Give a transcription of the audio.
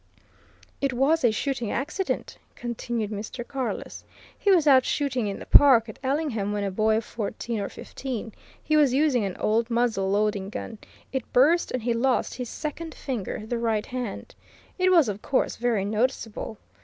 "It was a shooting accident," continued Mr. Carless. "He was out shooting in the park at Ellingham when a boy of fourteen or fifteen; he was using an old muzzle loading gun; it burst, and he lost his second finger the right hand. It was, of course, very noticeable.